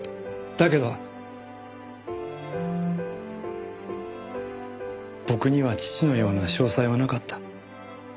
だけど僕には父のような商才はなかった。